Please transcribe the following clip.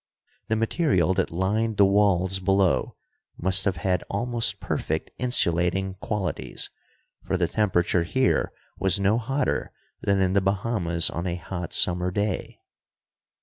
The material that lined the walls below must have had almost perfect insulating qualities, for the temperature here was no hotter than in the Bahamas on a hot summer day.